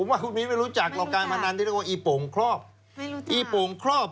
ผมว่ามีนไม่รู้จักเราใช้การพนันที่เรียกว่าอี้ปงครอบ